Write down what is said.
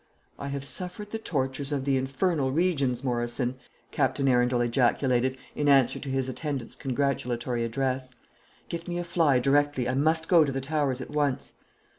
"I have suffered the tortures of the infernal regions, Morrison," Captain Arundel ejaculated, in answer to his attendant's congratulatory address. "Get me a fly directly; I must go to the Towers at once."